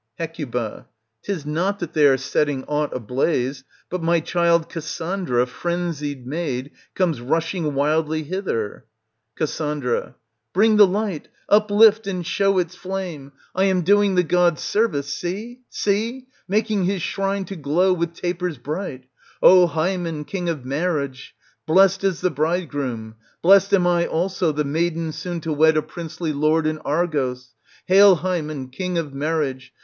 Hec 'Tis not that they are setting aught ablaze, but my child Cassandra, frenzied maid, comes rushing wildly hither. Cas. Bring the light, uplift and show its flame ! I am Digitized by Google THE TROJAN WOMEN. 235 doing the god's service, see ! see ! making his shrine to glow with tapers bright. O Hymen, king of marriage ! blest is the bridegroom; blest am I also, the maiden soon to wed a princely lord in Argos. Hail Hymen, king of marriage!